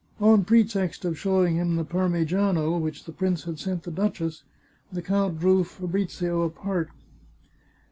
On pretext of showing him the Parmegiano, which the prince had sent the duchess, the count drew Fabrizio apart.